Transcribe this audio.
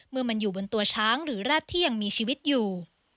เมื่อมันอยู่บนตัวช้างหรือแร็ดที่ยังมีชีวิตอยู่